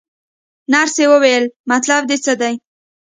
نرسې وویل: مطلب دې څه دی؟